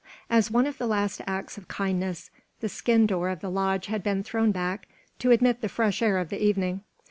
As one of the last acts of kindness, the skin door of the lodge had been thrown back to admit the fresh air of the evening.